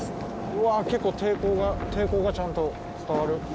うわっ結構抵抗が抵抗がちゃんと伝わる。